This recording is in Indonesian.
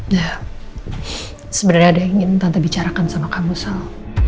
dah sebenarnya ada yang ingin tante bicarakan sama kamu sal